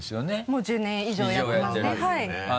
もう１０年以上やってますね。